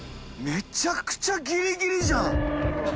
めちゃくちゃギリギリじゃん！